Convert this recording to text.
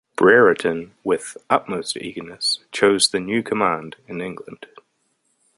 Brereton "with utmost eagerness" chose the new command in England.